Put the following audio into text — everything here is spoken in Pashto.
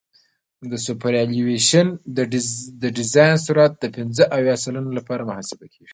سوپرایلیویشن د ډیزاین سرعت د پنځه اویا سلنه لپاره محاسبه کیږي